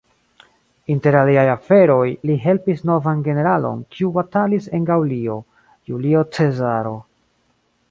Inter aliaj aferoj, li helpis novan generalon, kiu batalis en Gaŭlio: Julio Cezaro.